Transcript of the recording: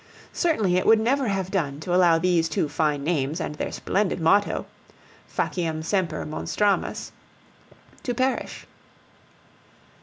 Certainly it would never have done to allow these two fine names and their splendid motto, Faciem semper monstramus, to perish.